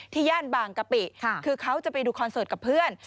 ย่านบางกะปิคือเขาจะไปดูคอนเสิร์ตกับเพื่อน